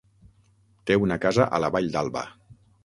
Té una casa a la Vall d'Alba.